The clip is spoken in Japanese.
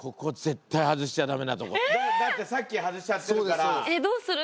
だってさっき外しちゃってるから。